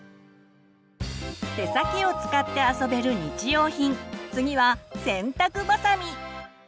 手先を使って遊べる日用品次は洗濯ばさみ。